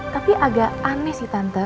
tapi agak aneh sih tante